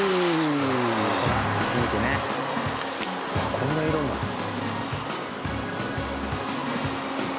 こんな色なんだ。